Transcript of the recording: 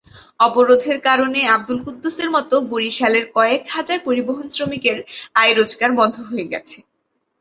অবরোধের কারণে আবদুল কুদ্দুসের মতো বরিশালের কয়েক হাজার পরিবহনশ্রমিকের আয়-রোজগার বন্ধ হয়ে গেছে।